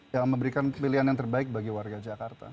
yang memberikan pilihan yang terbaik bagi warga jakarta